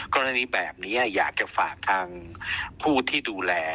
กรณีแบบนี้อยากจะฝากทางผู้ที่ดูแล